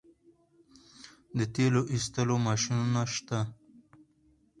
د تیلو ایستلو ماشینونه شته